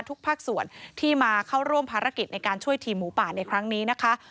ทุกภาคส่วนที่มาเข้าร่วมภารกิจในการช่วยทีมหมูป่าในครั้งนี้นะคะ